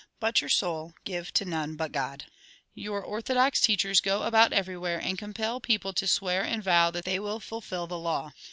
But your soul, give to none but God. " Your orthodox teachers go about everywhere, and compel people to swear and vow that they will fulfil the law.